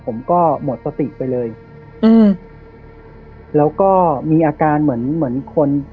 ผมก็หมดสติไปเลยอืมแล้วก็มีอาการเหมือนเหมือนคน